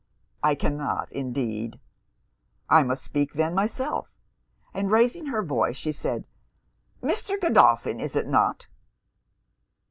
'I cannot, indeed.' 'I must speak then, myself;' and raising her voice, she said 'Mr. Godolphin, is it not?'